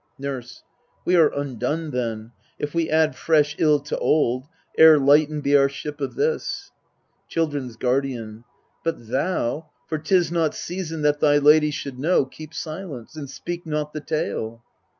Nurse. We are undone then, if we add fresh ill To old, ere lightened be our ship of this. Children's Guardian. But thou for 'tis not season that thy lady Should know keep silence, and speak not the tale.